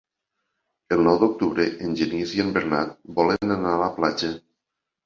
El nou d'octubre en Genís i en Bernat volen anar a la platja.